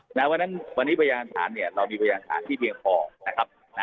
ค่ะแล้ววันนั้นวันนี้ประยาศาสตร์เนี่ยเรามีประยาศาสตร์ที่เพียงพอนะครับ